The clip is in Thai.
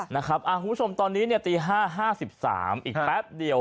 นะครับอ่าคุณผู้ชมตอนนี้เนี่ยตีห้าห้าสิบสามอีกแป๊บเดียว